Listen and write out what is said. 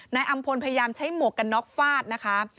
นายอำพลพยายามใช้หมวกกันน็อกฟาดนะคะ